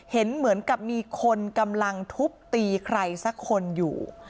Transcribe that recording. เห็นเหมือนกับมีคนกำลังทุบตีใครสักคนอยู่